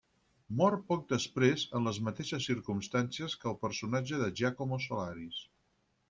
Mor poc després, en les mateixes circumstàncies que el personatge de Giacomo Solaris.